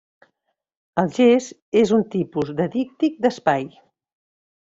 El gest és un tipus de díctic d'espai.